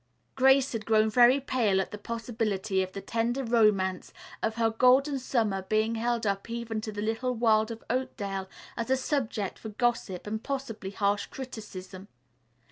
Grace had grown very pale at the possibility of the tender romance of her Golden Summer being held up even to the little world of Oakdale as a subject for gossip and possibly harsh criticism.